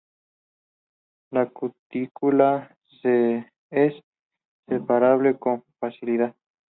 La cutícula es separable con facilidad.